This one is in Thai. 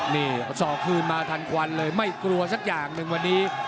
นี่สอกคืนมาทันควันเลยไม่กลัวสักอย่างหนึ่งวันนี้